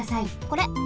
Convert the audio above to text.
これ。